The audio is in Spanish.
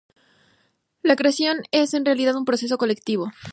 La creación es, en realidad, un proceso colectivo.